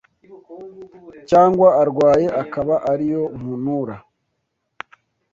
cyangwa arwaye akaba ari yo muntura!